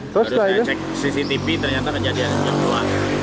terus saya cek cctv ternyata kejadian jenjua